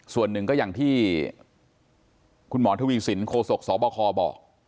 ส่วนหนึ่งก็อย่างที่คุณหมอทวีสินโคศกสบคบอก